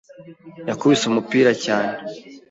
yakubise umupira cyane.